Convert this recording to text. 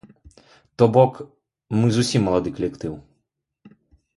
То бок, мы зусім малады калектыў.